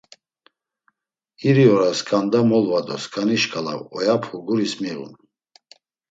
İri oras sǩanda molva do sǩani şǩala oyapu guris miğun.